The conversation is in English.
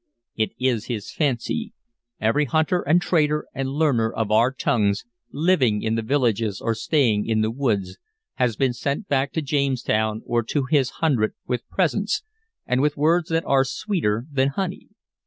"It is his fancy. Every hunter and trader and learner of our tongues, living in the villages or straying in the woods, has been sent back to Jamestown or to his hundred with presents and with words that are sweeter than honey.